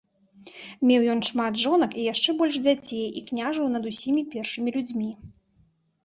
Меў ён шмат жонак і яшчэ больш дзяцей і княжыў над усімі першымі людзьмі.